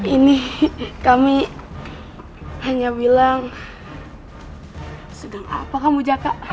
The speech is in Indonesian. ini kami hanya bilang sedang apa kamu jaga